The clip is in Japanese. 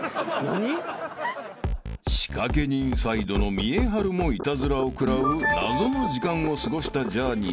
［仕掛け人サイドの見栄晴もイタズラを食らう謎の時間を過ごしたジャーニーたち］